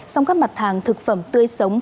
song các mặt hàng thực phẩm tươi sống